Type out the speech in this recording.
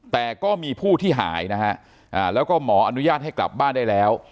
แต่ก็มีผู้ที่หายนะฮะแล้วก็หมออนุญาตให้กลับบ้านได้แล้ว